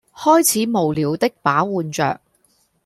開始無聊的把玩着